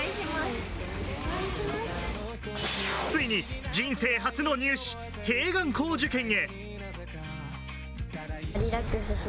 ついに人生初の入試、併願校受験へ！